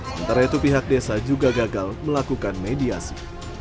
sementara itu pihak desa juga gagal melakukan mediasi